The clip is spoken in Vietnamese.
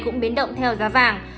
cũng biến động theo giá vàng